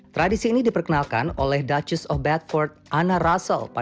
tradisi ini diperkenalkan oleh duchess of bedford anna russell pada seribu delapan ratus empat puluh